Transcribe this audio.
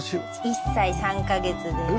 １歳３カ月です。